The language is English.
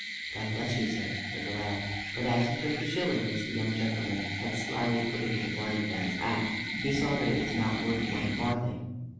"God bless you, sir," said the lad; but as he took the shilling which the young gentleman had slyly put into the blind man's hand, he saw that it was not worth one farthing.